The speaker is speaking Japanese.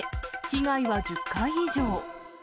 被害は１０回以上。